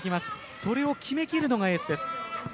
それを決め切るのがエースです。